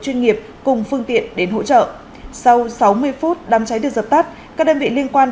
chuyên nghiệp cùng phương tiện đến hỗ trợ sau sáu mươi phút đám cháy được dập tắt các đơn vị liên quan